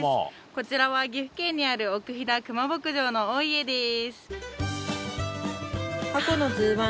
こちらは岐阜県にある奥飛騨クマ牧場の大家です